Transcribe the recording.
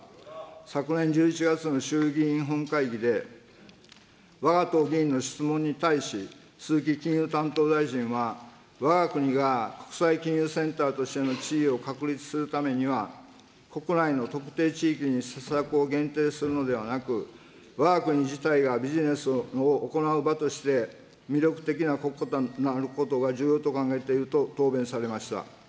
昨年１１月の衆議院本会議で、わが党議員の質問に対し、鈴木金融担当大臣は、わが国が国際金融センターとしての地位を確立するためには、国内の特定地域に施策を限定するのではなく、わが国自体がビジネスを行う場として、魅力的な国家となることが重要と考えていると答弁されました。